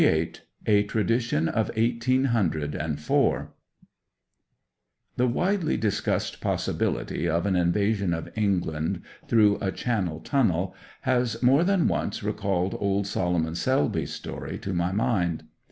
May 1893, A TRADITION OF EIGHTEEN HUNDRED AND FOUR The widely discussed possibility of an invasion of England through a Channel tunnel has more than once recalled old Solomon Selby's story to my mind.